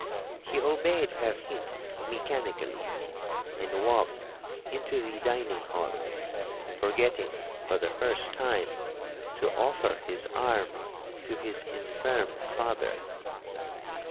He obeyed her hint mechanically, and walked into the dining hall, forgetting for the first time to offer his arm to his infirm father.